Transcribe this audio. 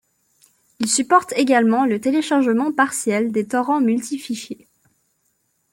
Il supporte également le téléchargement partiel des torrents multi-fichiers.